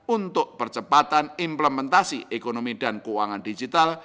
untuk percepatan implementasi ekonomi dan keuangan digital